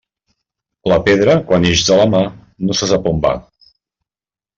La pedra, quan ix de la mà, no se sap on va.